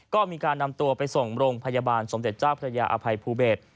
ก็มีการนำตัวไปส่งโรงพยาบาลสมเด็จเจ้าพระยาอภัยภูเบศ